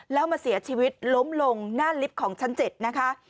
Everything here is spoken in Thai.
แล้วมาเสียชีวิตล้มลงหน้าลิฟต์ของชั้น๗นะคะ